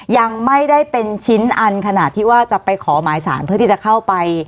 ยังไม่ได้เป็นชิ้นอันขนาดที่ว่าจะไปขอหมายสารเพื่อที่จะเข้าไป